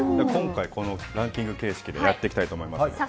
今回、ランキング形式でやっていきたいと思います。